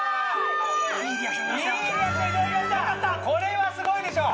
これはすごいでしょ！